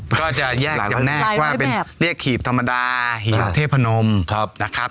ก็จะแยกว่าเป็นเรียกหีบธรรมดาหีบเทพนมนะครับ